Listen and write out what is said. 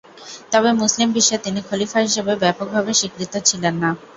তবে মুসলিম বিশ্বে তিনি খলিফা হিসেবে ব্যাপকভাবে স্বীকৃত ছিলেন না।